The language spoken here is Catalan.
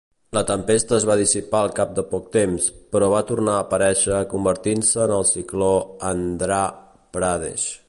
La tempesta es va dissipar al cap de poc temps, però va tornar a aparèixer convertint-se en el cicló Andhra Pradesh.